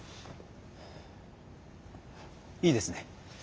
いいですね。